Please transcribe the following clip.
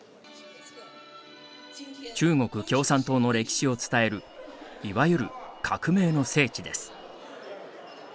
中国共産党の歴史を伝えるいわゆる革命の聖地です。